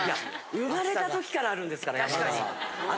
生まれた時からあるんですからヤマザワ。